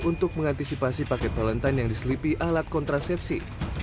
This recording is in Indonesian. untuk mengantisipasi paket valentine yang diselipi alat kontrasepsi